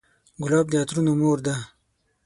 ګلاب د عطرونو مور ده.